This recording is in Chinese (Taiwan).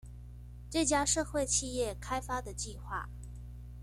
這家社會企業開發的計畫